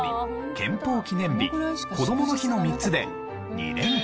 憲法記念日こどもの日の３つで。